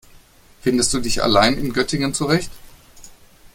Findest du dich allein in Göttingen zurecht?